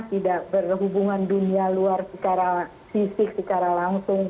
tidak berhubungan dunia luar secara fisik secara langsung